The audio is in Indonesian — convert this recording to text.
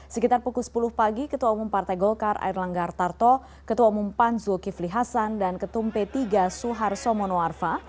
sekitar pukul sepuluh pagi ketua umum partai golkar air langgar tarto ketua umum pan zulkifli hasan dan ketum p tiga suharto monoarfa